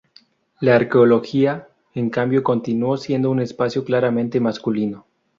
La Arqueología, en cambio, continuó siendo un espacio claramente masculino.